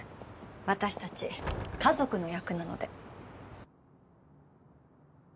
私たち家族の役なので。